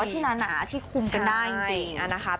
เอาที่หนาที่คุมกันได้จริง